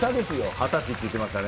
２０歳って言ってましたね。